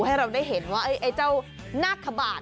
ให้เราได้เห็นว่าไอ้เจ้านาคบาท